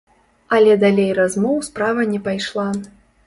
Але далей размоў справа не пайшла.